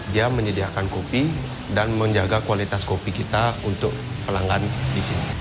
dia menyediakan kopi dan menjaga kualitas kopi kita untuk pelanggan di sini